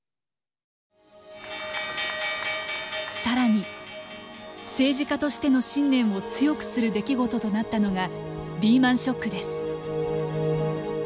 さらに政治家としての信念を強くする出来事となったのがリーマンショックです。